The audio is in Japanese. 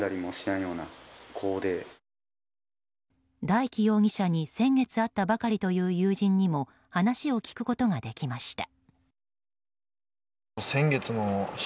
大祈容疑者に先月会ったばかりという友人にも話を聞くことができました。